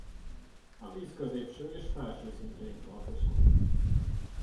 A víz középső és felső szintjein tartózkodik.